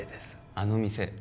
あの店